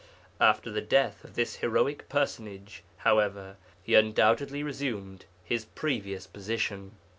After the death of this heroic personage, however, he undoubtedly resumed his previous position.